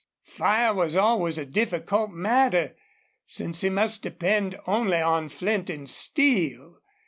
Fire was always a difficult matter, since he must depend only on flint and steel.